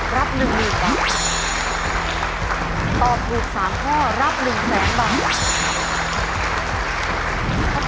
ถอบถูก๓ข้อรับ๑๐๐๐บาท